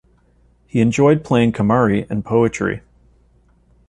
He enjoyed playing Kemari and poetry.